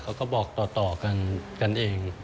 เขาก็บอกต่อกันเอง